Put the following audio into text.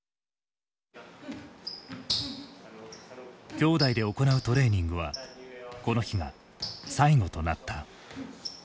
兄弟で行うトレーニングはこの日が最後となった。